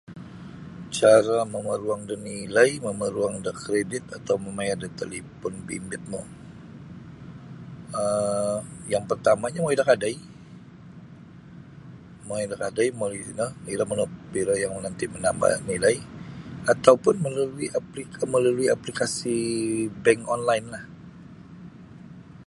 cara mamaruang da nilai mamaruang da kredit atau memayar da talipon bimbit no um yang pertamanya mongoi da kadai, mongoi da kadai momoli sino iro yang nanti menambah nilai atau pun melalui apli melalui aplikasi bank onlinelah.